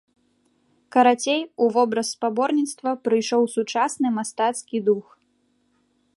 Карацей, у вобраз спаборніцтва прыйшоў сучасны мастацкі дух.